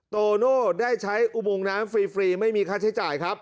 โตโน่ได้ใช้อุโมงน้ำฟรีไม่มีค่าใช้จ่ายครับ